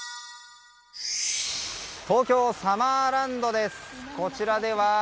東京サマーランドです。